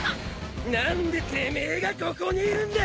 何でてめぇがここにいるんだ